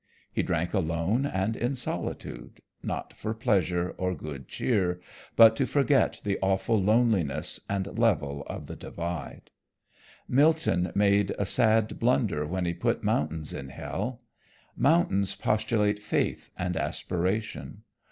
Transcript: He drank alone and in solitude not for pleasure or good cheer, but to forget the awful loneliness and level of the Divide. Milton made a sad blunder when he put mountains in hell. Mountains postulate faith and aspiration.